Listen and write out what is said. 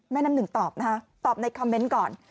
น้ำหนึ่งตอบนะคะตอบในคอมเมนต์ก่อน